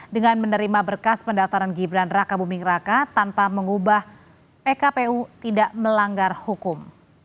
dengan menerima berkas pendaftaran gibran raka buming raka tanpa mengubah pkpu tidak melanggar hukum